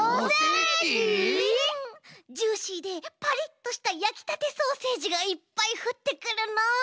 ジューシーでパリッとしたやきたてソーセージがいっぱいふってくるの。